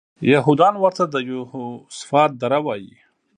یهودان ورته د یهوسفات دره وایي.